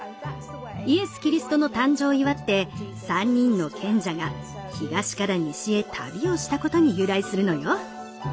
イエス・キリストの誕生を祝って３人の賢者が東から西へ旅をしたことに由来するのよ。